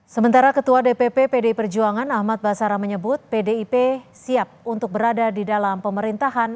sementara ketua dpp pdi perjuangan ahmad basara menyebut pdip siap untuk berada di dalam pemerintahan